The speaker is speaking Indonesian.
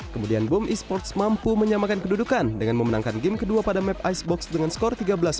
kemudian boom esports mampu menyamakan kedudukan dengan memenangkan game kedua pada map icebox dengan skor tiga belas sepuluh